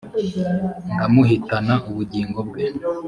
ndamuhitana ubugingo bwe